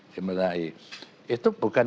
di melayu itu bukan